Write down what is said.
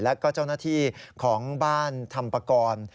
และก็เจ้าหน้าที่ของบ้านทำประกอบ